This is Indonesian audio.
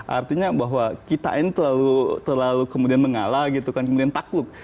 artinya bahwa kita ini terlalu kemudian mengalah gitu kan kemudian takut